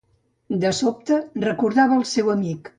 De sobte, recordava el seu amic.